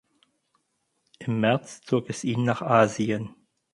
Im März zog es ihn nach Asien.